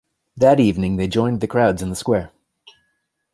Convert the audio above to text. That evening, they joined the crowds in the square.